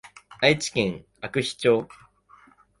愛知県阿久比町